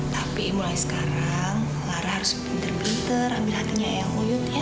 tapi mulai sekarang lara harus pinter pinter ambil hatinya yang nguyut ya